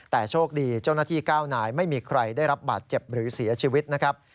แต่โชคดีเจ้าหน้าที่๙นายไม่มีใครได้รับบาดเจ็บหรือเสียชีวิตนะครับ